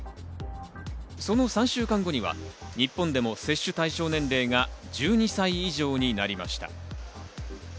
その３週間後には日本でも接種対象年齢が１２歳以上になりました。